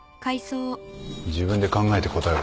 自分で考えて答えを出せ